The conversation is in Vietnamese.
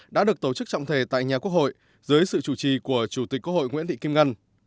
đã được tổ chức trọng thể tại nhà quốc hội dưới sự chủ trì của chủ tịch quốc hội nguyễn thị kim ngân